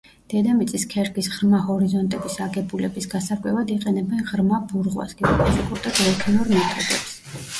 დედამიწის ქერქის ღრმა ჰორიზონტების აგებულების გასარკვევად იყენებენ ღრმა ბურღვას, გეოფიზიკურ და გეოქიმიურ მეთოდებს.